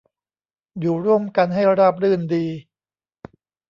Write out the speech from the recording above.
อยู่ร่วมกันให้ราบรื่นดี